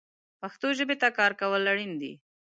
پښتو ژبې ته کار کول اړین دي